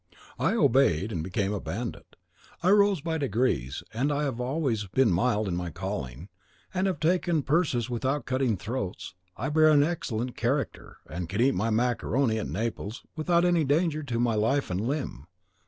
"I obeyed, and became a bandit. I rose by degrees; and as I have always been mild in my calling, and have taken purses without cutting throats, I bear an excellent character, and can eat my macaroni at Naples without any danger to life and limb.